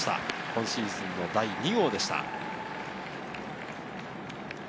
今シーズン第２号でした。